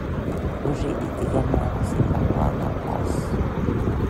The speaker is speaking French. Le projet est également annoncé par Warner Bros.